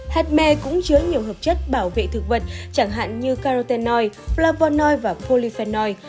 hạt me cũng chứa nhiều hợp chất bảo vệ thực vật chẳng hạn như carotenoid flavonoid và polyphenol